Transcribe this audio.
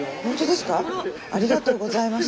ありがとうございます。